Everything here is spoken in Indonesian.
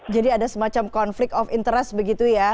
jadi ada semacam konflik of interest begitu ya